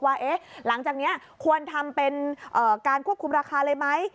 ว่าหลังจากนี้ควรทำเป็นการควบคุมราคาเลยไหม